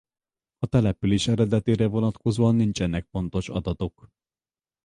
A település eredetére vonatkozóan nincsenek pontos adatok.